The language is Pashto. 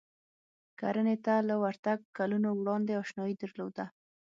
کرنې ته له ورتګ کلونه وړاندې اشنايي درلوده.